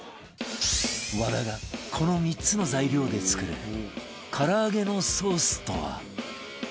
和田がこの３つの材料で作る唐揚げのソースとは？